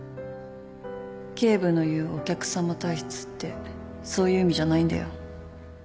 警部の言うお客さま体質ってそういう意味じゃないんだよ。